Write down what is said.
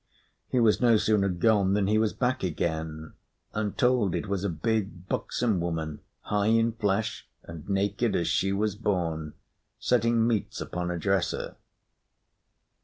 He was no sooner gone than he was back again; and told it was a big, buxom woman, high in flesh and naked as she was born, setting meats upon a dresser.